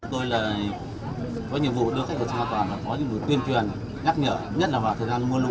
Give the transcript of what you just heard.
tôi là có nhiệm vụ đưa khách vào trường an toàn và có nhiệm vụ tuyên truyền nhắc nhở nhất là vào thời gian mua lũ này